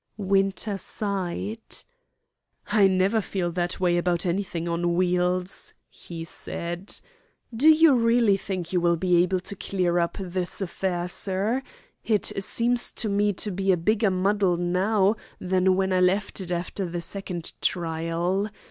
Winter sighed. "I never feel that way about anything on wheels," he said. "Do you really think you will be able to clear up this affair, sir? It seems to me to be a bigger muddle now than when I left it after the second trial.